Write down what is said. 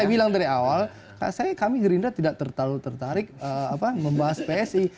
saya bilang dari awal kami gerindra tidak terlalu tertarik membahas psi